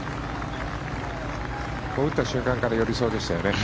打った瞬間から寄りそうでしたよね。